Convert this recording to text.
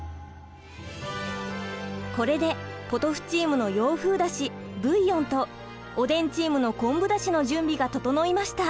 これでポトフチームの洋風だし・ブイヨンとおでんチームの昆布だしの準備が整いました。